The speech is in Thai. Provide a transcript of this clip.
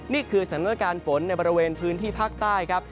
นี่คือสถานการณ์ฝนในบริเวณพื้นที่ภาคใต้ครับ